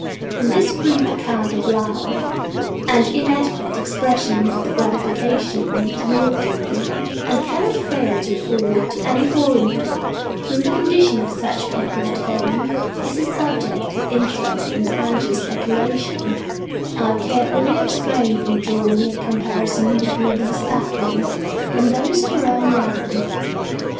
In this brief account of Lowell, and inadequate expression of the gratification it yielded me, and cannot fail to afford to any foreigner to whom the condition of such people at home is a subject of interest and anxious speculation, I have carefully abstained from drawing a comparison between these factories and those of our own land.